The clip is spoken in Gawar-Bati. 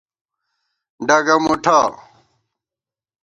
ڈگہ مُٹھہ